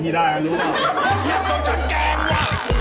อยากโดนช้อนแกงวะ